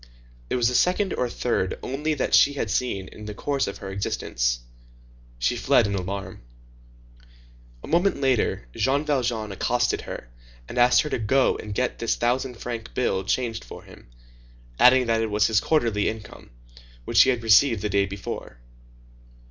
It was the second or third only that she had seen in the course of her existence. She fled in alarm. A moment later, Jean Valjean accosted her, and asked her to go and get this thousand franc bill changed for him, adding that it was his quarterly income, which he had received the day before.